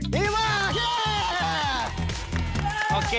ดีมาก